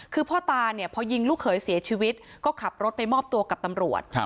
คือพ่อตาเนี่ยพอยิงลูกเขยเสียชีวิตก็ขับรถไปมอบตัวกับตำรวจ